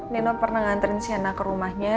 nino pernah nganterin sienna ke rumahnya